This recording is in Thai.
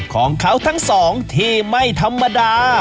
ของเขาทั้งสองที่ไม่ธรรมดา